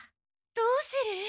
どうする？